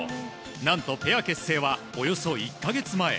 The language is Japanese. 何とペア結成はおよそ１か月前。